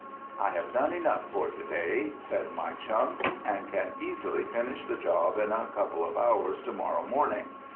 "I have done enough for to day," said my chum, "and can easily finish the job in a couple of hours to morrow morning.